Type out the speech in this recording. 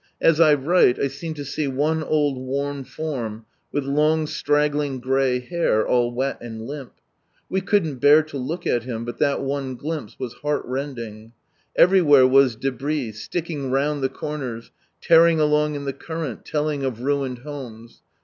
As I write I seem to see one old worn form, with long straggling grey hair all wet and limp : we couldn't bear to look at him, but that one glimpse was heart rending. Everywhere was debris, sticking round the corners, tearing along in the current, telling of ruined homes.